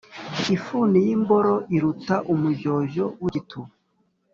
Ifuni y’imboro iruta umujyojyo w’igituba.